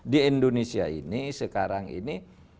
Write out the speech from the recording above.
di indonesia ini sekarang ini